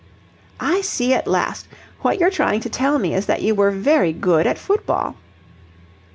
"I see at last. What you're trying to tell me is that you were very good at football."